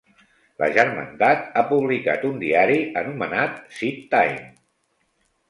La Germandat ha publicat un diari anomenat "Seed-Time".